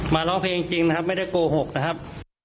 ร้องเพลงจริงนะครับไม่ได้โกหกนะครับ